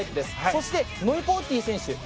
そして、ノイ・ポンティ選手。